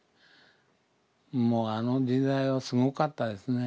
もうあの時代はすごかったですね。